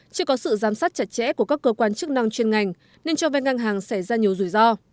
chưa có sự giám sát chặt chẽ của các cơ quan chức năng chuyên ngành nên cho vay ngang hàng xảy ra nhiều rủi ro